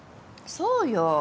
そうよ。